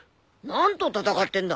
何と戦ってんだ？